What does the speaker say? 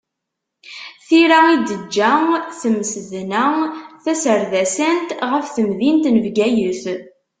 Tira i d-teǧǧa temsedna-taserdasant ɣef temdint n Bgayet.